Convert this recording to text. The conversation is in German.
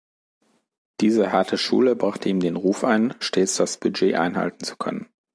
Diese harte Schule brachte ihm den Ruf ein, stets das Budget einhalten zu können.